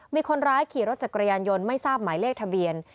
มีคนร้ายขี่รถจักรยานยนต์ไม่ทราบหมายเลขทะเบียน